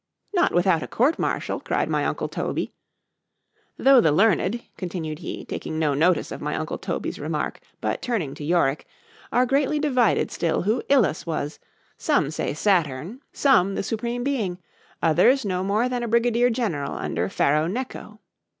—Not without a court martial? cried my uncle Toby.——Though the learned, continued he, taking no notice of my uncle Toby's remark, but turning to Yorick,—are greatly divided still who Ilus was;—some say Saturn;—some the Supreme Being;—others, no more than a brigadier general under _Pharaoh neco.